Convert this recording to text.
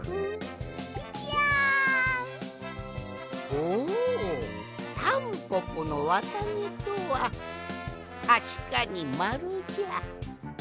ほうタンポポのわたげとは。たしかにまるじゃ。